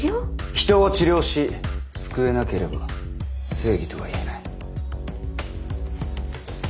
人を治療し救えなければ正義とはいえない。